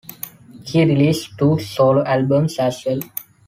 Key released two solo albums as well.